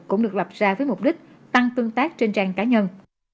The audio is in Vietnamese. cũng được lập ra với mục đích tăng tương tác trên trang cá nhân